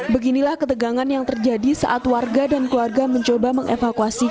beginilah ketegangan yang terjadi saat warga dan keluarga mencoba mengevakuasi